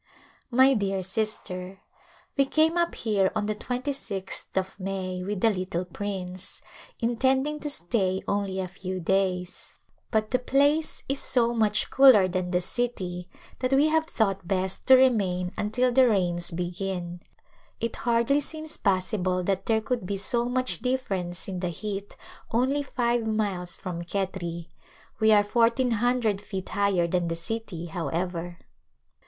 My dear Sister : We came up here on the 26th of May with the little prince, intending to stay only a few days but the place is so much cooler than the city that [2S3] A Glimpse of India we have thought best to remain until the rains begin. It hardly seems possible that there could be so much difference in the heat only five miles from Khetri i we are fourteen hundred feet higher than the city, however.